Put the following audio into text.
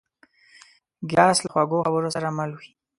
ګیلاس له خوږو خبرو سره مل وي.